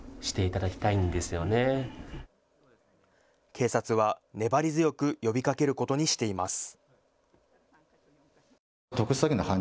警察は粘り強く呼びかけることにしています。